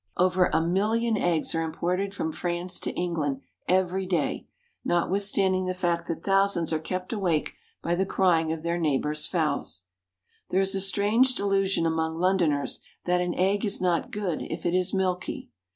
Over a million eggs are imported from France to England every day, notwithstanding the fact that thousands are kept awake by the crying of their neighbours' fowls. There is a strange delusion among Londoners that an egg is not good if it is milky.